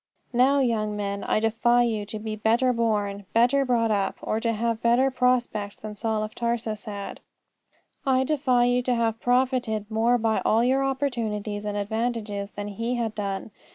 Now, young men, I defy you to be better born, better brought up, or to have better prospects than Saul of Tarsus had. I defy you to have profited more by all your opportunities and advantages than he had done.